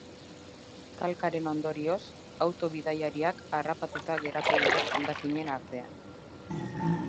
Talkaren ondorioz, autoko bidaiariak harrapatuta geratu dira hondakinen artean.